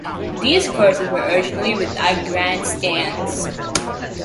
These courses were originally without grandstands.